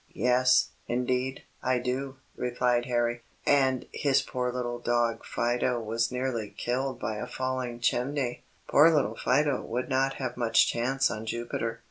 "Yes, indeed, I do," replied Harry, "and his poor little dog Fido was nearly killed by a falling chimney." "Poor little Fido would not have much chance on Jupiter.